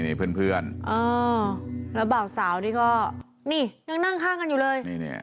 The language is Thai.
นี่เพื่อนเพื่อนแล้วบ่าวสาวนี่ก็นี่ยังนั่งข้างกันอยู่เลย